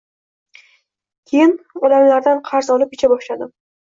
Keyin odamlardan qarz olib icha boshladim